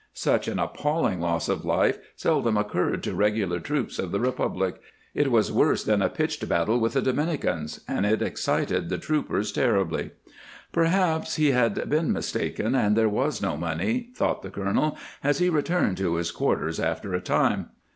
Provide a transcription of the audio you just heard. Such an appalling loss of life seldom occurred to regular troops of the Republic; it was worse than a pitched battle with the Dominicans, and it excited the troopers terribly. Perhaps he had been mistaken and there was no money, thought the colonel, as he returned to his quarters after a time.